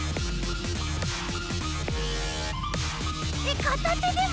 えっかたてでも？